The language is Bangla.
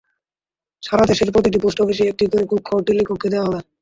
সারা দেশের প্রতিটি পোস্ট অফিসে একটি করে কক্ষ টেলিটককে দেওয়া হবে।